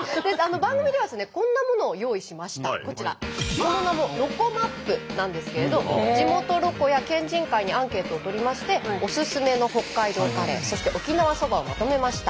その名も「ロコＭＡＰ」なんですけれど地元ロコや県人会にアンケートをとりましておすすめの北海道カレーそして沖縄そばをまとめました。